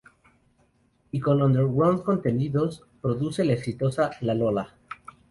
Y con Underground Contenidos, produce la exitosa Lalola.